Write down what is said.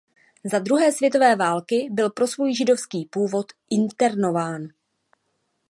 Za druhé světové války byl pro svůj židovský původ internován.